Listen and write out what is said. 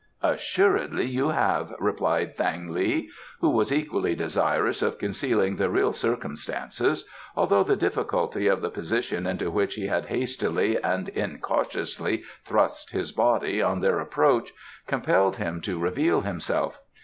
"Assuredly you have," replied Thang li, who was equally desirous of concealing the real circumstances, although the difficulty of the position into which he had hastily and incautiously thrust his body on their approach compelled him to reveal himself.